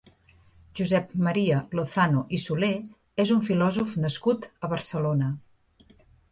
Josep Maria Lozano i Soler és un filòsof nascut a Barcelona.